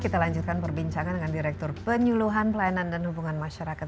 kita lanjutkan perbincangan dengan direktur penyuluhan pelayanan dan hubungan masyarakat